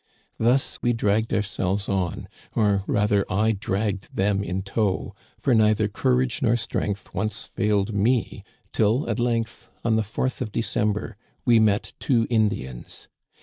" Thus we dragged ourselves on, or rather I dragged them in tow, for neither courage nor strength once failed me till at length, on the 4th of December, we met two Indians.